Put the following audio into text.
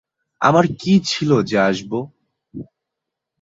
আমার কী ছিল যে আসব?